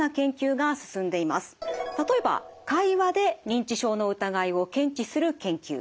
例えば会話で認知症の疑いを検知する研究。